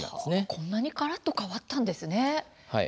こんなにがらっと変わったんですね。